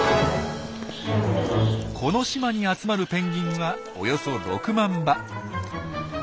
この島に集まるペンギンはおよそ６万羽。